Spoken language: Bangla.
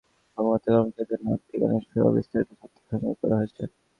ইতিমধ্যে এসব প্রতিষ্ঠানের কর্মকর্তা-কর্মচারীদের নাম, ঠিকানাসহ বিস্তারিত তথ্য সংগ্রহ করা হয়েছে।